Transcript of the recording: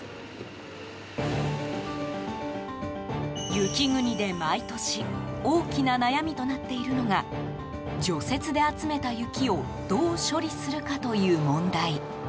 雪国で毎年大きな悩みとなっているのが除雪で集めた雪をどう処理するかという問題。